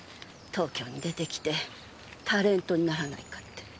東京に出てきてタレントにならないかって。